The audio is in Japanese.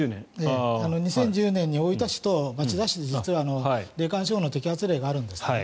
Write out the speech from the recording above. ２０１０年に大分市と町田市で実は霊感商法の摘発例があるんですね。